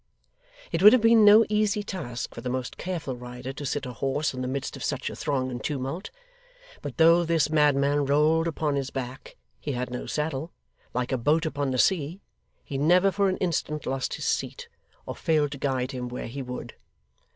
It would have been no easy task for the most careful rider to sit a horse in the midst of such a throng and tumult; but though this madman rolled upon his back (he had no saddle) like a boat upon the sea, he never for an instant lost his seat, or failed to guide him where he would.